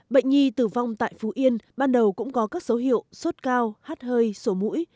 bệnh nhi tử vong tại phú yên ban đầu cũng có các số hiệu sốt cao hát hơi sổ mũi